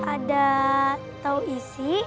ada tahu isi